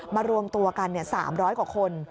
รวมตัวกัน๓๐๐กว่าคน